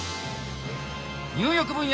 入浴分野